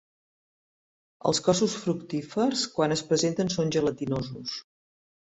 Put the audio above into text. Els cossos fructífers, quan es presenten, són gelatinosos.